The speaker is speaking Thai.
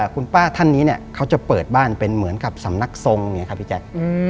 คุณป้าท่านนี้เนี่ยเขาจะเปิดบ้านเป็นเหมือนกับสำนักทรงอย่างนี้ครับพี่แจ๊ค